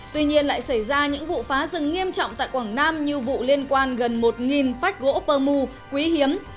tuy nhiên lại xảy ra những vụ phá rừng nghiêm trọng tại quảng nam như vụ liên quan gần một phách gỗ pơ mu quý hiếm